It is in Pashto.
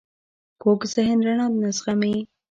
کوږ ذهن رڼا نه زغمي